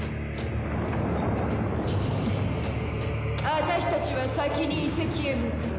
フッ私たちは先に遺跡へ向かう。